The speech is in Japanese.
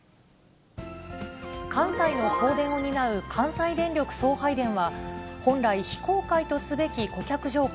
関西の送電を担う関西電力送配電は、本来、非公開とすべき顧客情報